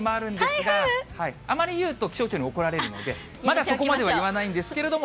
あまり言うと気象庁に怒られるので、まだそこまでは言わないんですけれども。